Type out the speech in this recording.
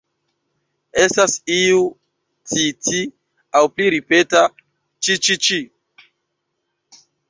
Estas iu "ci-ci" aŭ pli ripeta "ĉi-ĉi-ĉi".